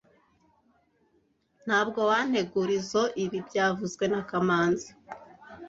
Ntabwo wantegurizoe ibi byavuzwe na kamanzi